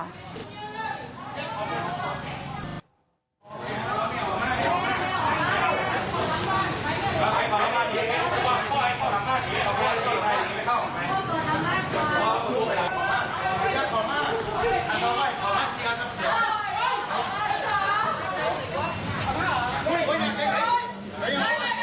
หมอปลาอุตส่าห์จะไปช่วย